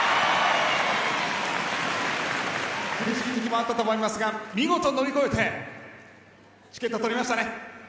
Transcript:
苦しい時期もあったと思いますが見事乗り越えてチケット、取りましたね。